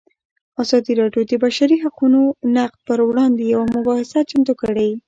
ازادي راډیو د د بشري حقونو نقض پر وړاندې یوه مباحثه چمتو کړې.